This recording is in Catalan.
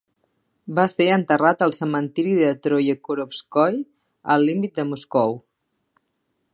Va ser enterrat al cementiri de Troyekurovskoye al límit de Moscou.